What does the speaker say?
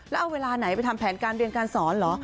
แล้วเอาเวลาไหนไปทำแผนการเรียนการสอนเหรอ